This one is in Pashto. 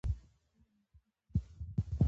کلي د افغانستان د طبیعت د ښکلا برخه ده.